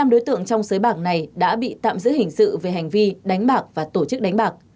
bốn mươi năm đối tượng trong xới bạc này đã bị tạm giữ hình sự về hành vi đánh bạc và tổ chức đánh bạc